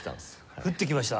降ってきました？